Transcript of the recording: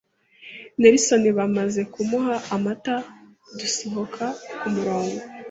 Nelson bamaze kumuha amata dusohoka ku murongo